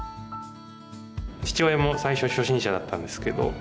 父親も最初初心者だったんですけど。